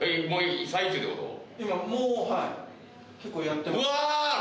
今今もうはい結構やってます